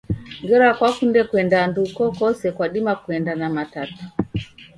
Ngera kwakunde kuende andu ukokose kwadima kuenda na Matatu.